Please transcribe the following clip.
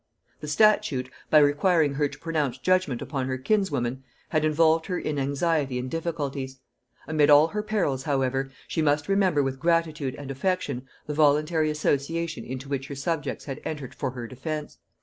The statute, by requiring her to pronounce judgement upon her kinswoman, had involved her in anxiety and difficulties. Amid all her perils, however, she must remember with gratitude and affection the voluntary association into which her subjects had entered for her defence.